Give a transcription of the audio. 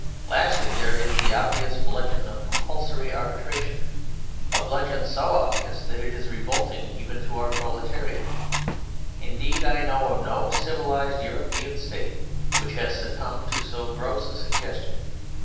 Lastly, there is the obvious bludgeon of" compul sory arbitration": a bludgeon so obvious that it is revolting even to our proletariat. Indeed, I know of no civilised European state which has succumbed to so gross a suggestion.